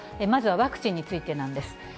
まずはワクチンについてなんです。